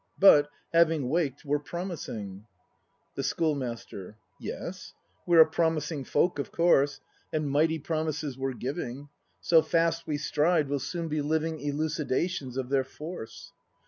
But, having waked, — were promising. The Schoolmaster. Yes; we're a promising folk, of course, — And mighty promises we're giving, — So fast we stride, we'll soon be living Elucidations of their force.